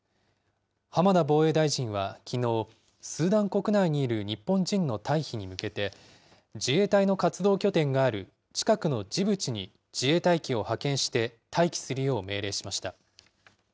浜田防衛大臣はきのう、スーダン国内にいる日本人の退避に向けて、自衛隊の活動拠点がある近くのジブチに自衛隊機を派遣して待機するよう命令しました。